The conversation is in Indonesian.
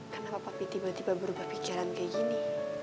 kenapa papi tiba tiba berubah pikiran kayak gini